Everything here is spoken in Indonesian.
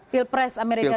peel price amerika serikat